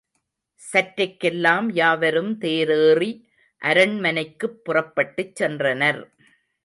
சற்றைக்கெல்லாம் யாவரும் தேரேறி அரண்மனைக்குப் புறப்பட்டுச் சென்றனர்.